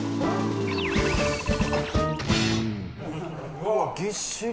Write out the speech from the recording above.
うわっぎっしり！